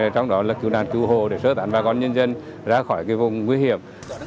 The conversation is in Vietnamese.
trong đó là cứu đàn cứu hồ để sơ tán bà con nhân dân ra khỏi cái vùng nguy hiểm